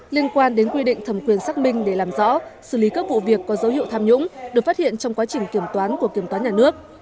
liên quan đến quy định thẩm quyền xác minh để làm rõ xử lý các vụ việc có dấu hiệu tham nhũng được phát hiện trong quá trình kiểm toán của kiểm toán nhà nước